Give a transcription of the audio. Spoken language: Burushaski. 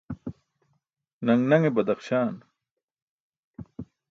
Naṅ naṅe badaxśaan.